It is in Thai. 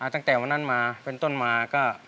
ตั้งแต่วันนั้นมาเป็นต้นมาก็